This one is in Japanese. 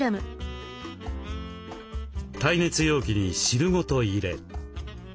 耐熱容器に汁ごと入れ。